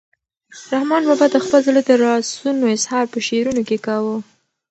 رحمان بابا د خپل زړه د رازونو اظهار په شعرونو کې کاوه.